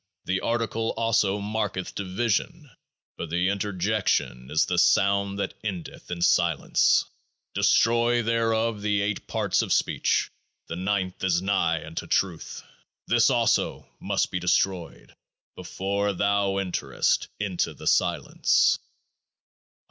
The Article also marketh Division ; but the Interjection is the sound that endeth in the Silence. Destroy therefore the Eight Parts of Speech ; the Ninth is nigh unto Truth. This also must be destroyed before thou enterest into The Silence.